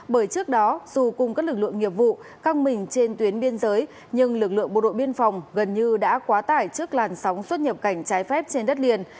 bởi trước đó dù cùng các lực lượng nghiệp vụ căng mình trên tuyến biên giới nhưng lực lượng bộ đội biên phòng gần như đã quá tải trước làn sóng xuất nhập cảnh trái phép trên đất liền